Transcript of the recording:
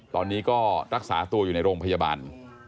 ตอนนี้ก็รักษาตัวอยู่ในโรงพยาบาล